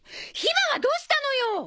ひまはどうしたのよ！？